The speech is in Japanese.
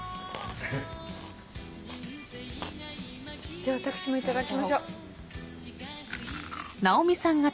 じゃああたくしもいただきましょう。